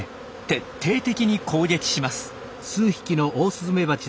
徹底的に攻撃します。